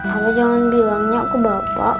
abah jangan bilangnya ke bapak